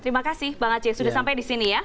terima kasih bang aceh sudah sampai disini ya